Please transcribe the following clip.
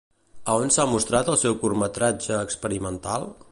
A on s'ha mostrat el seu curtmetratge experimental?